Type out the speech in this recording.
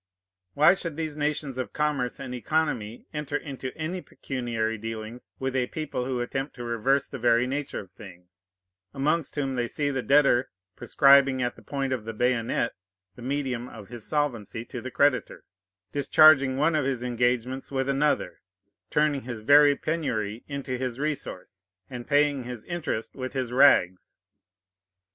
Why should these nations of commerce and economy enter into any pecuniary dealings with a people who attempt to reverse the very nature of things, amongst whom they see the debtor prescribing at the point of the bayonet the medium of his solvency to the creditor, discharging one of his engagements with another, turning his very penury into his resource, and paying his interest with his rags?